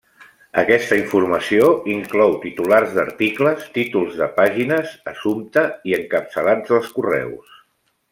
Aquesta informació inclou titulars d'articles, títols de pàgines, assumpte i encapçalats dels correus.